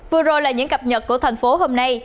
vừa rồi là những cập nhật của thành phố hôm nay